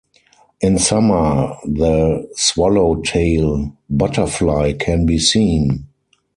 In summer, the swallowtail butterfly can be seen.